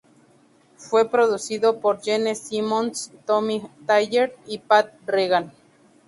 Fue producido por Gene Simmons, Tommy Thayer y Pat Regan.